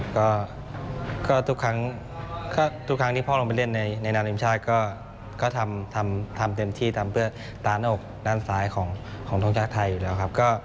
ก็ทุกครั้งทุกครั้งที่พ่อลงไปเล่นในนามทีมชาติก็ทำเต็มที่ทำเพื่อตาหน้าอกด้านซ้ายของทรงชาติไทยอยู่แล้วครับ